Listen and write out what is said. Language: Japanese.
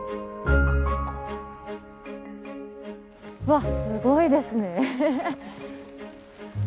わっすごいですね。